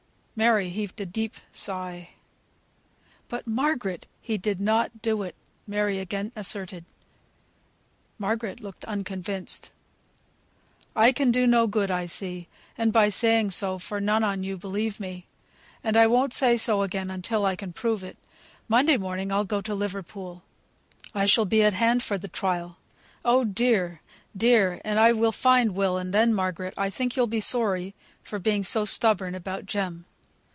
Mary heaved a deep sigh. "But, Margaret, he did not do it," Mary again asserted. Margaret looked unconvinced. "I can do no good, I see, by saying so, for none on you believe me, and I won't say so again till I can prove it. Monday morning I'll go to Liverpool. I shall be at hand for the trial. Oh dear! dear! And I will find Will; and then, Margaret, I think you'll be sorry for being so stubborn about Jem."